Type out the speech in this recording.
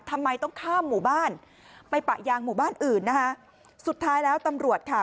ทำไมต้องข้ามหมู่บ้านไปปะยางหมู่บ้านอื่นนะคะสุดท้ายแล้วตำรวจค่ะ